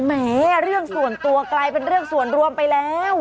แม้เรื่องส่วนตัวกลายเป็นเรื่องส่วนรวมไปแล้ว